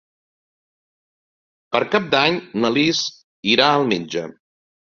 Per Cap d'Any na Lis irà al metge.